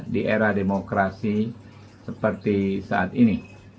di era demokrasi seperti saat ini